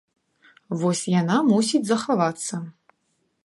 Вось яна мусіць захавацца.